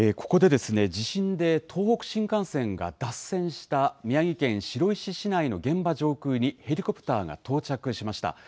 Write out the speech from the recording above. ここで地震で東北新幹線が脱線した宮城県白石市内の現場上空にヘリコプターが到着しました。